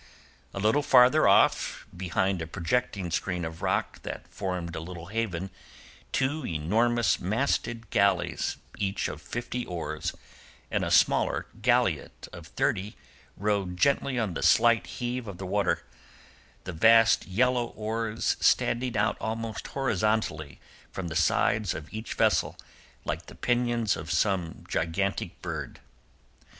A little farther off behind a projecting screen of rock that formed a little haven two enormous masted galleys, each of fifty oars, and a smaller galliot of thirty rode gently on the slight heave of the water, the vast yellow oars standing out almost horizontally from the sides of each vessel like the pinions of some gigantic bird.